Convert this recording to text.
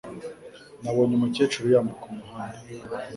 Nabonye umukecuru yambuka umuhanda.